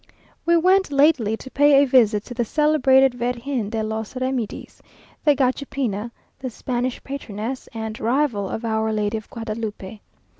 We went lately to pay a visit to the celebrated Virgen de los Remedies, the Gachupina, the Spanish patroness, and rival of Our Lady of Guadalupe.